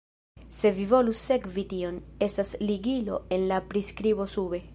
Se vi volus sekvi tion, estas ligilo en la priskribo sube.